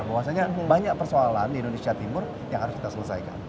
bahwasannya banyak persoalan di indonesia timur yang harus kita selesaikan